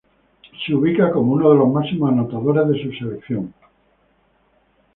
Se ubica como uno de los máximos anotadores de su seleccionado.